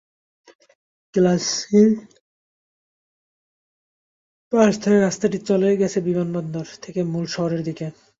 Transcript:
Black সির পাশ ধরে রাস্তাটি চলে গেছে বিমানবন্দর থেকে মূল শহরের দিকে।